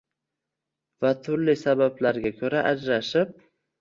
va turli sabablarga ko‘ra ajrashib